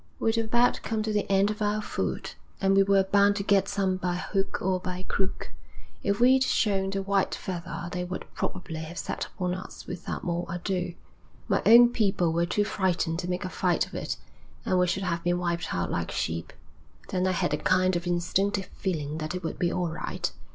We'd about come to the end of our food, and we were bound to get some by hook or by crook. If we'd shown the white feather they would probably have set upon us without more ado. My own people were too frightened to make a fight of it, and we should have been wiped out like sheep. Then I had a kind of instinctive feeling that it would be all right.